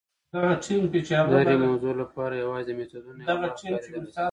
د هرې موضوع لپاره یوازې د میتودونو یوه برخه کارېدلی شي.